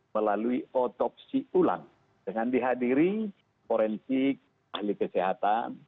melalui otopsi ulang dengan dihadiri forensik ahli kesehatan